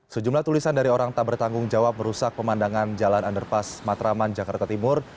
sejumlah tulisan dari orang tak bertanggung jawab merusak pemandangan jalan underpass matraman jakarta timur